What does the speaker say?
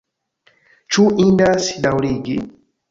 Ĉu indas daŭrigi?